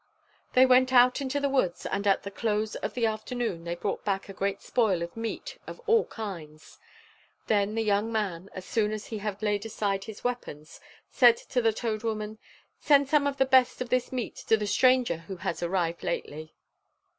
They went out into the woods, and at the close of the afternoon they brought back a great spoil of meat of all kinds. Then the young man, as soon as he had laid aside his weapons, said to the old Toad Woman, "Send some of the best of this meat to the stranger who has arrived lately."